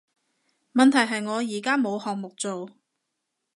問題係我而家冇項目做